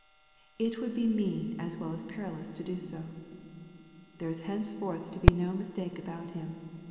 It would be mean as well as perilous to do so. There is henceforth to be no mistake about him.